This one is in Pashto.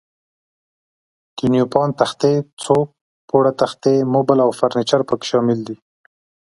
د نیوپان تختې، څو پوړه تختې، موبل او فرنیچر پکې شامل دي.